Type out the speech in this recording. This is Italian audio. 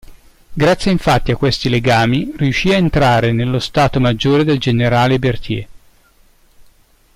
Grazie infatti a questi legami riuscì ad entrare nello stato maggiore del generale Berthier.